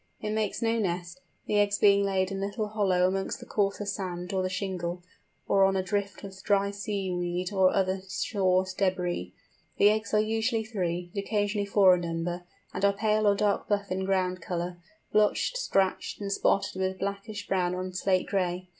It makes no nest, the eggs being laid in a little hollow amongst the coarser sand or the shingle, or on a drift of dry seaweed and other shore débris. The eggs are usually three, but occasionally four in number, and are pale or dark buff in ground colour, blotched, scratched, and spotted with blackish brown and slate gray.